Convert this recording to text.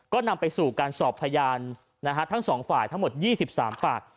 ก็นำไปสู่การสอบพยานทั้งสองฝ่ายทั้งหมด๒๓ปาก